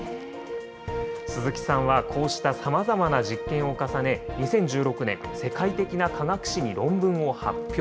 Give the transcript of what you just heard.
鈴木さんはこうしたさまざまな実験を重ね、２０１６年、世界的な科学誌に論文を発表。